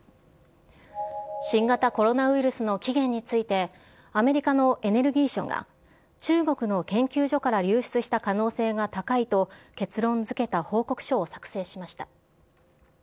新型コロナウイルスの起源について、アメリカのエネルギー省が、中国の研究所から流出した可能性が高いと、結論づけた報告書を作成しました。